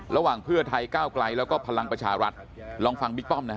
ระหว่างเพื่อไทยก้าวไกลแล้วก็พลังประชารัฐลองฟังบิ๊กป้อมนะฮะ